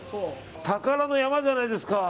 宝の山じゃないですか！